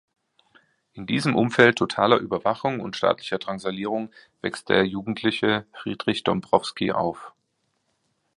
In diesem Umfeld totaler Überwachung und staatlicher Drangsalierungen wächst der Jugendliche Friedrich Dombrowski auf.